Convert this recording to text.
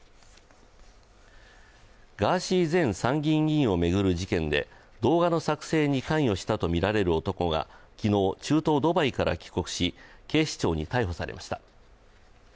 ガーシー前参議院議員を巡る事件で動画の作成に関与したとみられる男が昨日、中東ドバイから帰国し警視庁に逮捕されました。